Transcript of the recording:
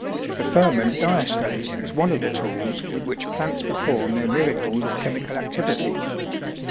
The ferment diastase is one of the tools with which plants perform their miracles of chemical activity.